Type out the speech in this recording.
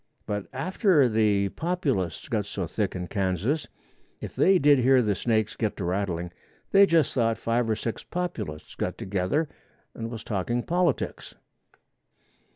But after the Populists got so thick in Kansas, if they did hear the snakes get to rattling, they just thought five or six Populists got together and was talking politics.